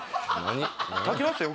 炊きますよ